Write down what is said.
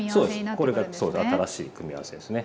これがそう新しい組み合わせですね。